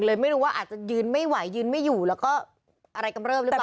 ไม่รู้ว่าอาจจะยืนไม่ไหวยืนไม่อยู่แล้วก็อะไรกำเริบหรือเปล่า